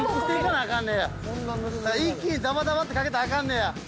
一気にダバダバってかけたらあかんねや。